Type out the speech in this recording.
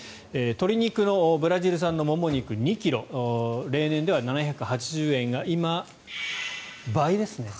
鶏肉のブラジル産のもも肉２ｋｇ例年では７８０円が今、倍ですね。